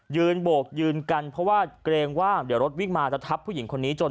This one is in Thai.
โบกยืนกันเพราะว่าเกรงว่าเดี๋ยวรถวิ่งมาจะทับผู้หญิงคนนี้จน